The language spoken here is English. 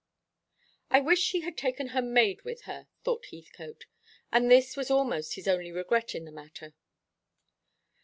"I wish she had taken her maid with her," thought Heathcote, and this was almost his only regret in the matter.